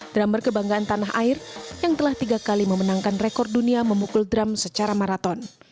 drummer kebanggaan tanah air yang telah tiga kali memenangkan rekor dunia memukul drum secara maraton